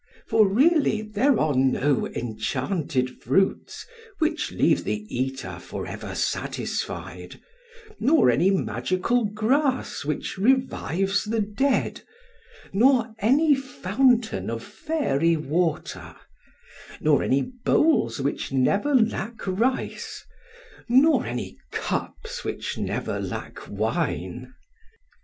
For really there are no enchanted fruits which leave the eater forever satisfied,—nor any magical grass which revives the dead,—nor any fountain of fairy water,—nor any bowls which never lack rice,—nor any cups which never lack wine.